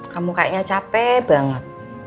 kamu kayaknya capek banget